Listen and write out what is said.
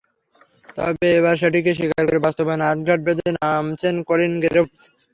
তবে এবার সেটিকে স্বীকার করে বাস্তবায়নে আটঘাট বেঁধে নামছেন কলিন গ্রেভস।